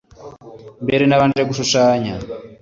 Mbere nabanje gushushanya